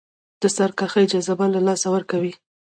د سرکښۍ جذبه له لاسه ورکوي.